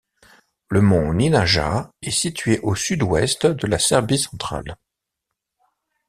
Le mont Ninaja est situé au sud-ouest de la Serbie centrale.